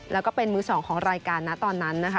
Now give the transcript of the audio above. แล้วก็เป็นมือสองของรายการนะตอนนั้นนะคะ